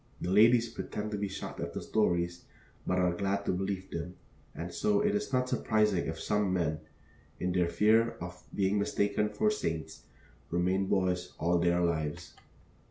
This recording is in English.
The ladies pretend to be shocked at the stories, but are glad to believe them; and so it is not surprising if some men, in their fear of being mistaken for saints, remain boys all their lives.